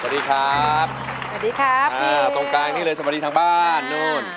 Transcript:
ตรงกลางนี่เลยสวัสดีทางบ้าน